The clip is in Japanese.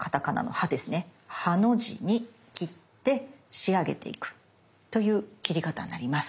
「ハ」の字に切って仕上げていくという切り方になります。